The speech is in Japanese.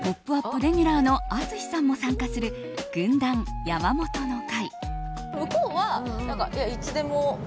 レギュラーの淳さんも参加する軍団山本の会。